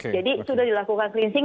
jadi sudah dilakukan cleansing